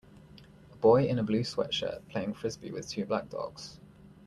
A boy in a blue sweatshirt playing Frisbee with two black dogs.